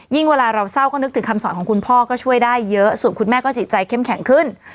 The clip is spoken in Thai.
เวลาเราเศร้าก็นึกถึงคำสอนของคุณพ่อก็ช่วยได้เยอะส่วนคุณแม่ก็จิตใจเข้มแข็งขึ้น